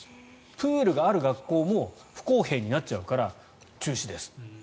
プールがある学校も不公平になっちゃうから中止です。